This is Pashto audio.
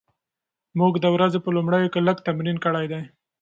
موږ د ورځې په لومړیو کې لږ تمرین کړی دی.